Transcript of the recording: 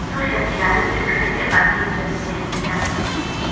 დუშეთში არის წილკნის ეპარქიის რეზიდენცია.